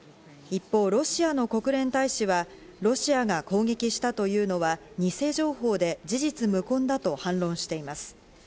一方、ロシアの国連大使はロシアが攻撃したというのは偽情報で事実無根だと反論しています。